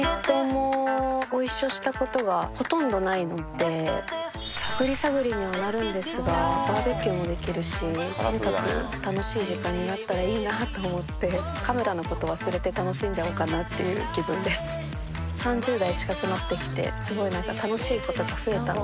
ブリッジあるの］ので探り探りにはなるんですがバーベキューもできるしとにかく楽しい時間になったらいいなと思ってカメラのこと忘れて楽しんじゃおうかなっていう気分ですとかははははっ